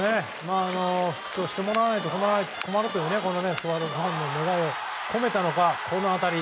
復調してもらわないと困るというスワローズファンの願いを込めたのかこの当たり。